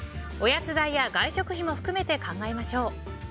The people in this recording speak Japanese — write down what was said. おやつ代や外食費も含めて考えましょう。